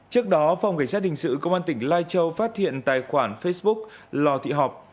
trước đó phòng cảnh sát hình sự công an tỉnh lai châu phát hiện tài khoản facebook lò thị học